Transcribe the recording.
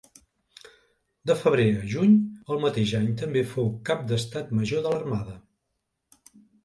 De febrer a juny del mateix any també fou Cap d'Estat Major de l'Armada.